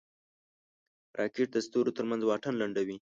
راکټ د ستورو ترمنځ واټن لنډوي